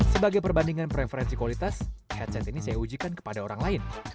sebagai perbandingan preferensi kualitas headset ini saya ujikan kepada orang lain